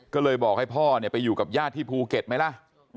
ก็เลยบอกให้พ่อไปอยู่กับญาติที่ภูเก็ตไหมล่ะ